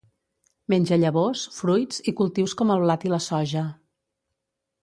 Menja llavors, fruits i cultius com el blat i la soja.